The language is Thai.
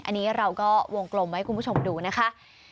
อันนี้เราก็วงกลมให้คุณผู้ชมดูนะคะ